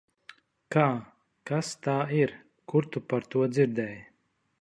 Kā? Kas tā ir? Kur tu par to dzirdēji?